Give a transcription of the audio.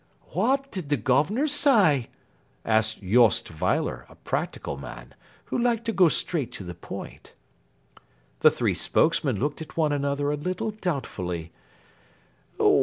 "What did the Governor say?" asked Jost Weiler, a practical man, who liked to go straight to the point. The three spokesmen looked at one another a little doubtfully.